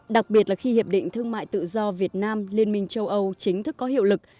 đặc biệt là khi hiệp định thương mại tự do việt nam liên minh châu âu chính thức có hiệu lực